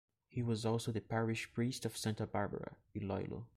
He was also the parish priest of Santa Barbara, Iloilo.